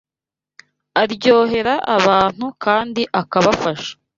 aryohera abantu kandi akabafasha.